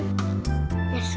ya sudah dulu